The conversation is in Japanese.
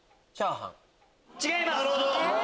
違います。